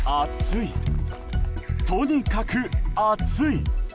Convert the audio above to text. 暑い、とにかく暑い。